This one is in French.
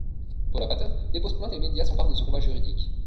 Paula Patton dépose plainte et les médias s'emparent de ce combat juridique.